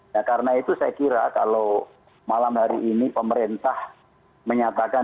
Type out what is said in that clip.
nah karena itu saya kira kalau malam hari ini pemerintah menyatakan